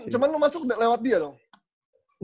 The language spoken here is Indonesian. cuman lu masuk lewat dia dong